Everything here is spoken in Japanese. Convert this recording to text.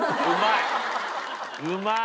うまい！